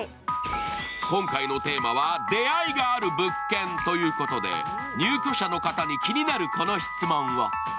今回のテーマは出会いがある物件ということで、入居者の方に気になるこの質問を。